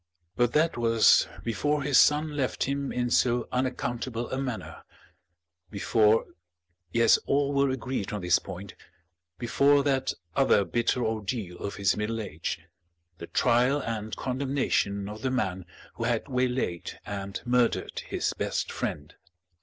But that was before his son left him in so unaccountable a manner; before yes, all were agreed on this point before that other bitter ordeal of his middle age, the trial and condemnation of the man who had waylaid and murdered his best friend.